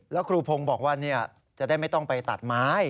แล้วครูพงศ์บอกว่าจะได้ไม่ต้องไปตัดไม้